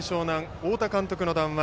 太田監督の談話